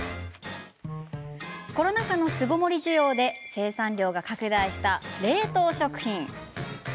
コロナ禍の巣ごもり需要で生産量が拡大した冷凍食品。